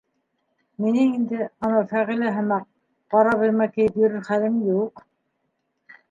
Минең инде, анау Фәғилә һымаҡ, ҡара быйма кейеп йөрөр хәлем юҡ.